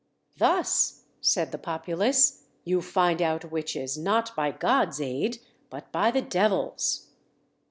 "Thus," said the populace, "you find out witches, not by God's aid, but by the devil's."